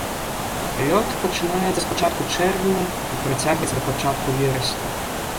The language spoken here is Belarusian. Лёт пачынаецца з пачатку чэрвеня і працягваецца да пачатку верасня.